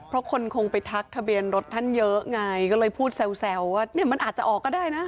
เพราะคนคงไปทักทะเบียนรถท่านเยอะไงก็เลยพูดแซวว่าเนี่ยมันอาจจะออกก็ได้นะ